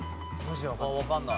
わかんない。